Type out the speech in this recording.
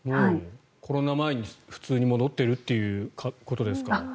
コロナ前に普通に戻っているということですか？